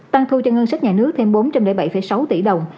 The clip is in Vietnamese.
tăng thu cho ngân sách nhà nước thêm bốn trăm linh bảy sáu tỷ đồng